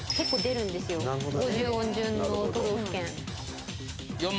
５０音順の都道府県。